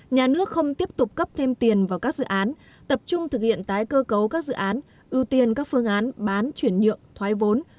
nhà nước không tiếp tục cấp thêm tiền vào các dự án tập trung thực hiện tái cơ cấu các dự án ưu tiên các phương án bán chuyển nhượng thoái vốn